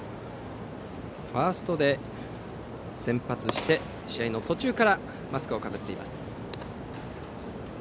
ファーストで先発して試合の途中からマスクをかぶっています。